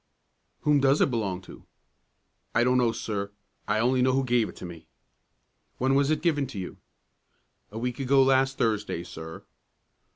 "Whom does it belong to?" "I don't know, sir. I only know who gave it to me." "When was it given to you?" "A week ago last Thursday, sir."